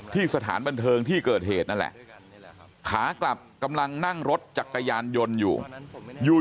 สถานบันเทิงที่เกิดเหตุนั่นแหละขากลับกำลังนั่งรถจักรยานยนต์อยู่อยู่